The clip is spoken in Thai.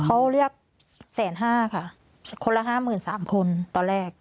เขาเรียกแสนห้าค่ะคนละห้าหมื่นสามคนตอนแรก